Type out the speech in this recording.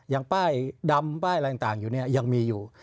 ป้ายดำป้ายอะไรต่างอยู่เนี่ยยังมีอยู่